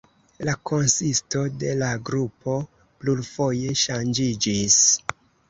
La konsisto de la grupo plurfoje ŝanĝiĝis.